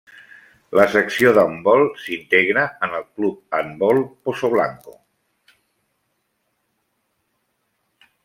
La secció d'handbol, s'integra en el Club Handbol Pozoblanco.